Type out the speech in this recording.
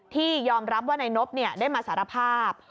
ที่ยอมรับว่านายนบได้มาสารภาพ